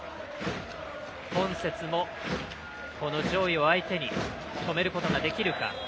今節も、上位を相手に止めることができるか。